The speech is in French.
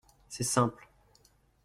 C’est simple.